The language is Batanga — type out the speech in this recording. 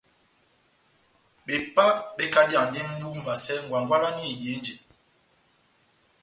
Bepá bekadiyandi mʼbu múvasɛ ngwangwalani eidihe njɛ.